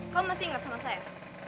kau masih ingat sama saya